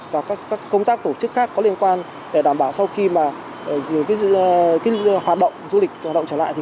và các công tác tổ chức khác có liên quan để đảm bảo sau khi hoạt động du lịch trở lại